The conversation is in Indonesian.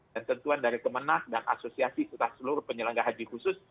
dan tentuan dari kemenang dan asosiasi kita seluruh penyelenggara haji khusus